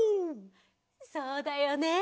そうだよね。